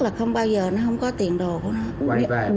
là không bao giờ nó không có tiền đồ của nó